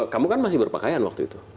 kamu kan masih berpakaian waktu itu